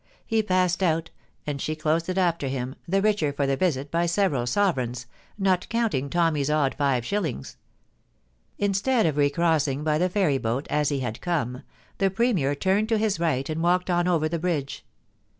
He passed out, and she closed it after him, the richer for the visit by several sovereigns, not counting Tomm)r's odd ^y^ shillings. Instead of re crossing by the ferry boat, as he had come, the Premier turned to his right and walked on over the bridge.